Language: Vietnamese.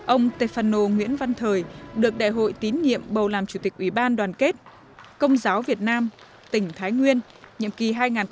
ông tefano nguyễn văn thời được đại hội tín nhiệm bầu làm chủ tịch ủy ban đoàn kết công giáo việt nam tỉnh thái nguyên nhiệm kỳ hai nghìn một mươi chín hai nghìn hai mươi một